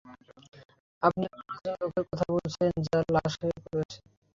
আপনি এমন একদল লোকের সাথে কথা বলছেন, যারা লাশ হয়ে পড়ে আছে।